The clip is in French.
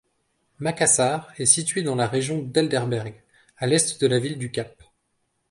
Macassar est situé dans la région d'Helderberg, à l'est de la ville du Cap.